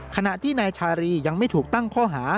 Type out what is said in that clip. ขณะที่นายชารียังไม่ถูกตั้งข้อหา